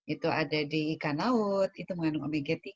itu ada di ikan laut itu mengandung omega tiga